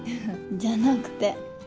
じゃなくて。